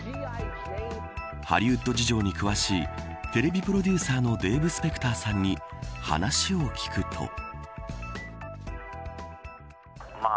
ハリウッド事情に詳しいテレビプロデューサーのデーブ・スペクターさんに話を聞くと。